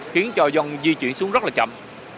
khiến cho dân di chuyển xuống rất là chậm